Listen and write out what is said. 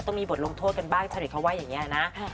ต้องมีบทลงโทษกันบ้างชาวเน็ตเขาว่าอย่างนี้นะ